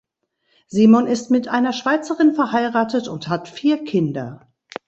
Simon ist mit einer Schweizerin verheiratet und hat vier Kinder.